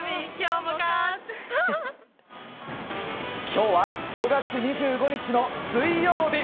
今日は５月２５日の水曜日。